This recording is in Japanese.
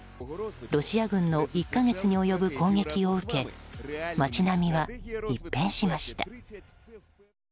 ロシア軍の１か月に及ぶ攻撃を受け街並みは、一変しました。